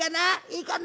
いいかな？